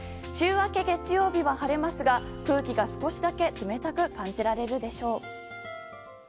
週明け月曜日は晴れますが空気が少しだけ冷たく感じられるでしょう。